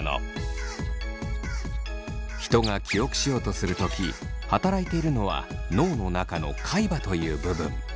人が記憶しようとする時働いているのは脳の中の海馬という部分。